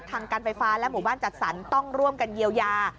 ทางการไฟฟ้าและหมู่บ้านจัดสรรต้องร่วมกันเยียวยา